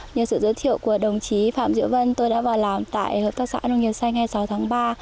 như sự giới thiệu của đồng chí phạm diễu vân tôi đã vào làm tại hợp tác xã nông nghiệp xanh hai mươi sáu tháng ba